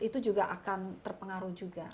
itu juga akan terpengaruh juga